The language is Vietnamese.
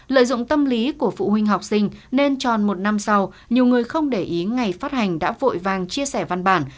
lợi dụng tâm lý của phụ huynh học sinh nên tròn một năm sau nhiều người không để ý ngày phát hành đã vội vàng chia sẻ văn bản